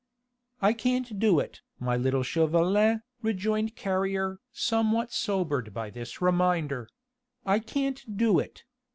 "I can't do it, my little Chauvelin," rejoined Carrier, somewhat sobered by this reminder. "I can't do it